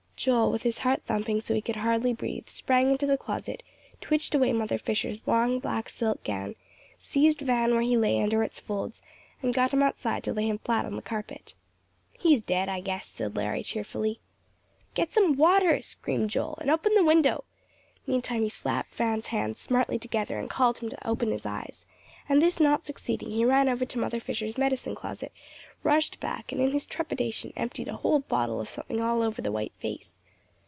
Joel, with his heart thumping so he could hardly breathe, sprang into the closet, twitched away Mother Fisher's long black silk gown, seized Van where he lay under its folds, and got him outside to lay him flat on the carpet. "He's dead, I guess," said Larry, cheerfully. "Get some water," screamed Joel, "and open the window;" meantime he slapped Van's hands smartly together and called him to open his eyes, and this not succeeding, he ran over to Mother Fisher's medicine closet, rushed back, and in his trepidation emptied a whole bottle of something all over the white face.